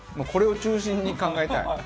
これを中心に考えたい。